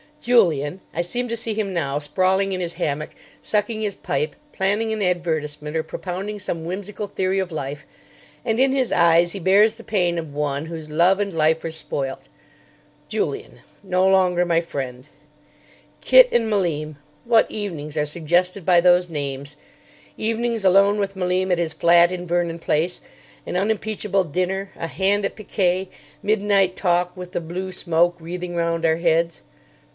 Julian—I seem to see him now sprawling in his hammock, sucking his pipe, planning an advertisement, or propounding some whimsical theory of life; and in his eyes he bears the pain of one whose love and life are spoilt. Julian—no longer my friend. Kit and Malim—what evenings are suggested by those names. Evenings alone with Malim at his flat in Vernon Place. An unimpeachable dinner, a hand at picquet, midnight talk with the blue smoke wreathing round our heads.